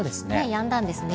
やんだんですね。